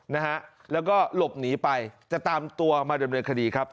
นะครับแล้วก็หลบหนีไปจะตามตัวกันมาด่วนเรียนคดีครับ